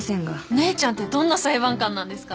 姉ちゃんってどんな裁判官なんですか？